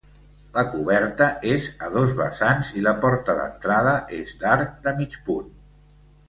La coberta és a dos vessants i la porta d'entrada és d'arc de mig punt.